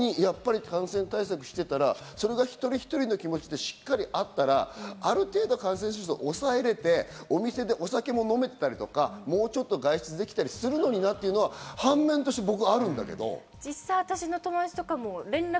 自分がなれずに感染対策をしていたら、それが一人一人の気持ちとしてしっかりあったら、ある程度感染者数を抑えられて、お店でお酒も飲めたり、もうちょっと外出できたりするのかなっていうのが反面として僕はあるんだけど。